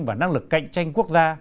và năng lực cạnh tranh quốc gia